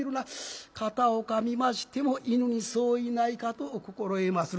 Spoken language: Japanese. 「片岡見ましても犬に相違ないかと心得まする」。